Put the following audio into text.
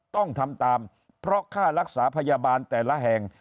ต้องทำตามเพราะค่ารักษาพยาบาลแต่ละแห่ง